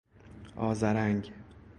آذرنگ